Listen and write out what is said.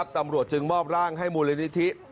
ตำรวจจึงมอบร่างให้มูลนิธิ